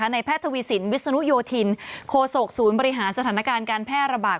แพทย์ทวีสินวิศนุโยธินโคศกศูนย์บริหารสถานการณ์การแพร่ระบาด